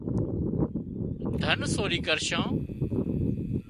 ڌن سورِي ڪرشان